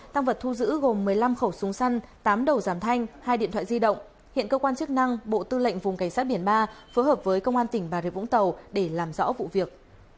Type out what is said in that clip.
tăng vật thu giữ gồm một mươi năm khẩu súng săn tám đầu giảm thanh hai điện thoại di động hiện cơ quan chức năng bộ tư lệnh vùng cảnh sát biển ba phối hợp với công an tỉnh bà rịa vũng tàu để làm rõ vụ việc